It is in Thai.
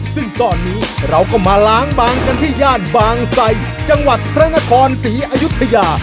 ซึ่งตอนนี้เราก็มาล้างบางกันที่ย่านบางไสจังหวัดพระนครศรีอยุธยา